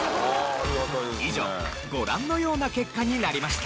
以上ご覧のような結果になりました。